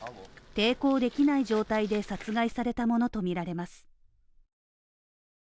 抵抗できない状態で殺害されたものとみられます。